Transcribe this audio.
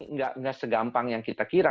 nggak segampang yang kita kira